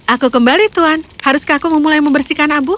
aku kembali tuan haruskah aku memulai membersihkan abu